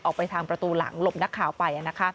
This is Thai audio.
ออกไปทางประตูหลังหลบนักข่าวไป